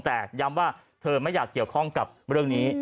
แต่ย้ำว่าเธอไม่อยากเกี่ยวข้องกับเรื่องนี้